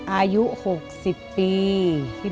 อายุ๖๐ปี